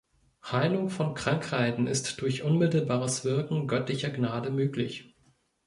Heilung von Krankheiten ist durch unmittelbares Wirken göttlicher Gnade möglich.